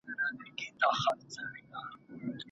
که زده کوونکی ولیکي نو پام یې درسه نه اوړي.